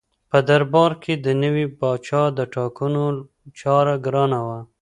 په دربار کې د نوي پاچا د ټاکلو چاره ګرانه وه.